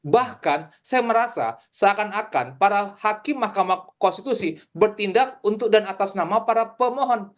bahkan saya merasa seakan akan para hakim mahkamah konstitusi bertindak untuk dan atas nama para pemohon